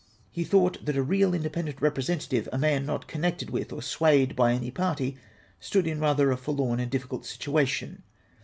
He thought that a real independent representative, a man not connected with or swayed by any party, stood in rather a forlorn and difficult situation.